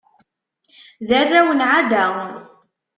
D arraw n Ɛada.